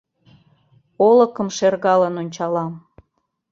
Олыкым шергалын ончалам.